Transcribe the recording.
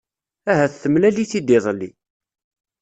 Ahat temlal-it-id iḍelli.